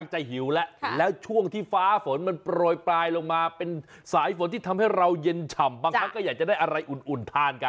จะหิวแล้วแล้วช่วงที่ฟ้าฝนมันโปรยปลายลงมาเป็นสายฝนที่ทำให้เราเย็นฉ่ำบางครั้งก็อยากจะได้อะไรอุ่นทานกัน